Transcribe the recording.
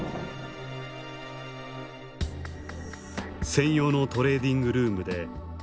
専用のトレーディングルームでＡを含む